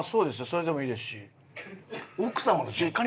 それでもいいですし。